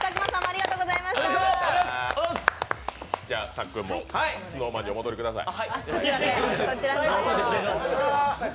さっくんもＳｎｏｗＭａｎにお戻りください。